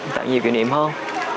tạo nhiều kỷ niệm hơn